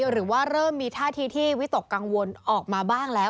หรือว่าเริ่มมีท่าทีที่วิตกกังวลออกมาบ้างแล้ว